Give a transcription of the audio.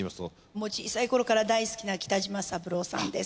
もう小さいころから大好きな北島三郎さんです。